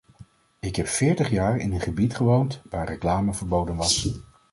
Ik heb veertig jaar in een gebied gewoond waar reclame verboden was.